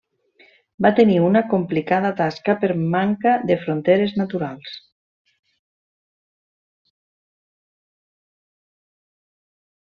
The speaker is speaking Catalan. Va tenir una complicada tasca per manca de fronteres naturals.